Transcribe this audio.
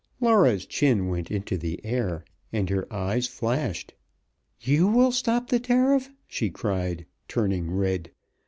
Laura's chin went into the air and her eyes flashed. "You will stop the tariff!" she cried, turning red.